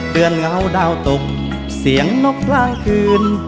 เดือนเหงาดาวตบเสียงนกร่างคืน